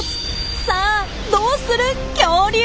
さあどうする恐竜？